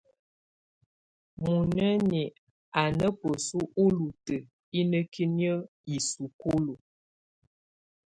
Muinǝ́ni á ná bǝ́su úlutǝ́ ínǝ́kiniǝ́ isúkulu.